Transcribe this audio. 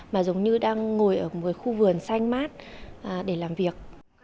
mà giống như đang ngồi ở một khu vườn xanh mát để làm việc